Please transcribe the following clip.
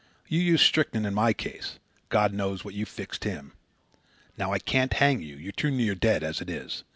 You used strychnine in my case. God knows with what you fixed him. Now I can't hang you. You're too near dead as it is.